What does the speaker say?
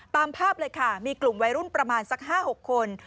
ตามภาพเลยค่ะมีกลุ่มวัยรุ่นประมาณสัก๕๖คน